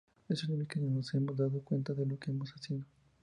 Eso significa que nos hemos dado cuenta de lo que están haciendo.